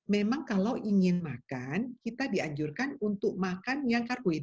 memang kalau ingin makan kita dianjurkan untuk makan yang karkuid